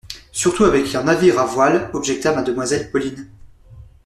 Surtout avec un navire à voiles, objecta Mademoiselle Pauline.